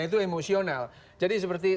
itu emosional jadi seperti